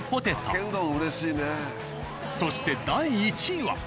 そして第１位は。